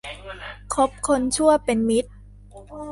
คบคนชั่วเป็นมิตร